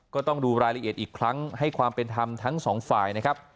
ก็ต้องดูรายละเอียดอีกครั้งให้ความเป็นธรรมทั้งสองฝ่ายนะครับ